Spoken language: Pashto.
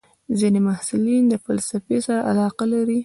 ځینې محصلین د فلسفې سره علاقه لري.